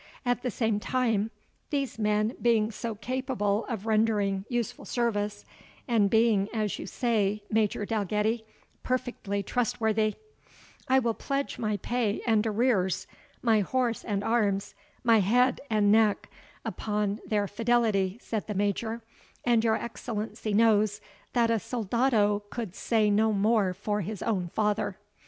At the same time, these men being so capable of rendering useful service, and being as you say, Major Dalgetty, perfectly trustworthy " "I will pledge my pay and arrears, my horse and arms, my head and neck, upon their fidelity," said the Major; "and your Excellency knows, that a soldado could say no more for his own father."